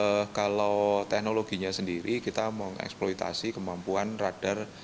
ya kalau teknologinya sendiri kita mengeksploitasi kemampuan radar